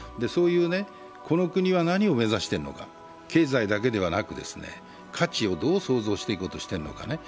そういう、この国は何を目指してるのか、経済だけではなく、価値をどう創造していくのか。